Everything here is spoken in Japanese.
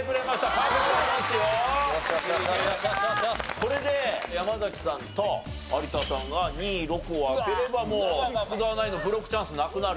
これで山崎さんと有田さんが２６を開ければもう福澤ナインのブロックチャンスなくなると。